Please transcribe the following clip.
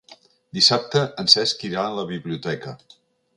Dissabte en Cesc irà a la biblioteca.